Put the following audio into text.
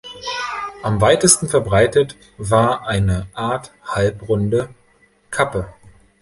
Am weitesten verbreitet war eine Art halbrunde Kappe.